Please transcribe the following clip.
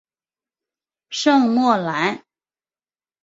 圣莫兰。